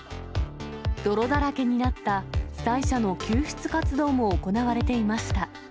泥だらけになった被災者の救出活動も行われていました。